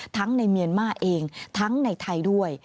ทั้งในเมียนมาเองทั้งในไทยด้วย